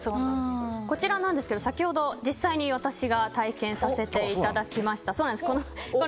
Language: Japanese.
こちらですが先ほど実際に私が体験させていただきました。